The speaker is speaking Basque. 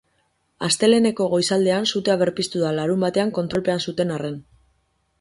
Asteleheneko goizaldean sutea berpiztu da, larunbatean kontrolpean zuten arren.